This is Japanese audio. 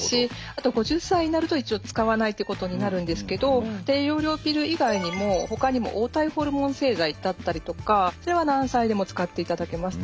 あと５０歳になると一応使わないっていうことになるんですけど低用量ピル以外にもほかにも黄体ホルモン製剤だったりとかそれは何歳でも使っていただけます。